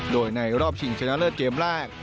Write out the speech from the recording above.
โดยในรอบชิงชนะเลิศเกมแรก